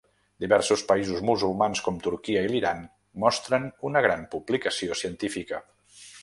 Diversos països musulmans com Turquia i l'Iran mostren una gran publicació científica.